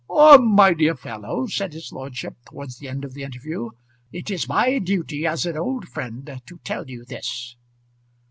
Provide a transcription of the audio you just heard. "Orme, my dear fellow," said his lordship, towards the end of the interview, "it is my duty, as an old friend, to tell you this."